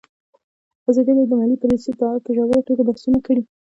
ازادي راډیو د مالي پالیسي په اړه په ژوره توګه بحثونه کړي.